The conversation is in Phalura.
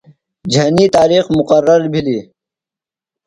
جھنی تارِخ مقرر بِھلیۡ۔